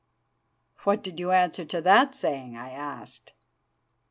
'" "What did you answer to that saying?" I asked.